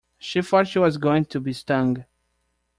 She thought she was going to be stung.